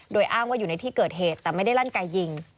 โดยอ้างว่าอยู่ในที่เกิดเหตุแต่ไม่ได้ลั่นไกยิง